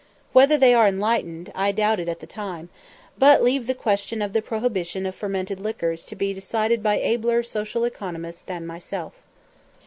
Whether they are "enlightened" I doubted at the time, but leave the question of the prohibition of fermented liquors to be decided by abler social economists than myself.